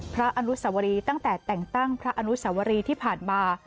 อนุสวรีตั้งแต่แต่งตั้งพระอนุสวรีที่ผ่านมา